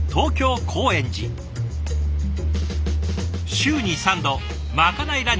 週に３度まかないランチ